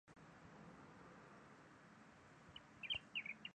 这是鉴别新型隐球菌的快速方法。